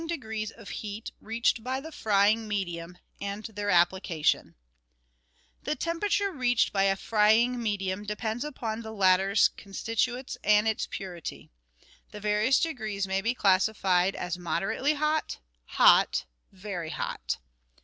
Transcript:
264— THE VARIOUS DEGREES OF HEAT REACHED BY THE FRYING MEDIUM, AND THEIR APPLICATION The temperature reached by a frying medium depends upon LEADING CULINARY OPERATIONS 125 the latter's constituents and its purity. The various degrees may be classified as moderately hot, hot, very hot.